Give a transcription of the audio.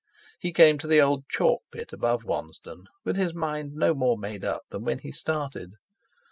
He came to the old chalk pit above Wansdon with his mind no more made up than when he started.